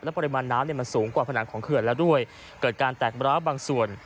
ปริมาณน้ำเนี่ยมันสูงกว่าผนังของเขื่อนแล้วด้วยเกิดการแตกบร้าวบางส่วน